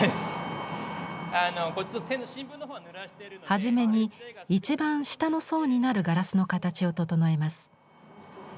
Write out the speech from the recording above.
初めに一番下の層になるガラスの形を整えます。